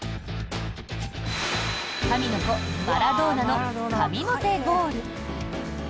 神の子マラドーナの神の手ゴール。